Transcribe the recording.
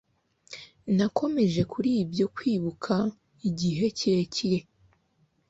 nakomeje kuri ibyo kwibuka igihe kirekire .